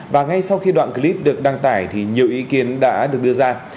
và ngay sau khi đoạn clip được đăng tải thì nhiều ý kiến đã được đưa ra